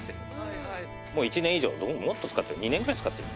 もう１年以上もっと使ってる２年ぐらい使ってる。